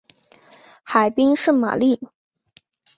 海滨圣玛丽。